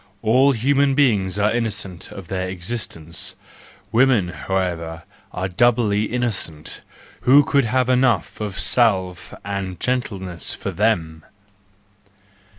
All human beings are innocent of their existence, women, however, are doubly innocent; who could have enough of salve and gentleness for them!